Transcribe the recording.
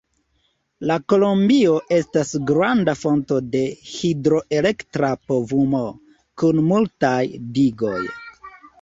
La Kolumbio estas granda fonto de hidroelektra povumo, kun multaj digoj.